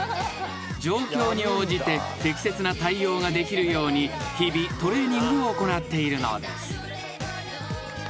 ［状況に応じて適切な対応ができるように日々トレーニングを行っているのです］